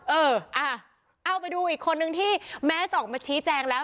เอออ่ะเอาไปดูอีกคนนึงที่แม้จะออกมาชี้แจงแล้ว